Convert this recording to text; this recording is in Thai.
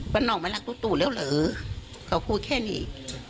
ป้าน้องไม่รักตู้ตู้เหลือเขาพูดแค่นี้